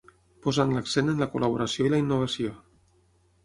Posant l'accent en la col·laboració i la innovació.